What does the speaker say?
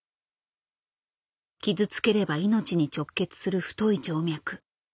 傷つければ命に直結する太い静脈。